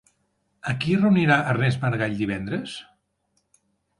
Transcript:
A qui reunirà Ernest Maragall divendres?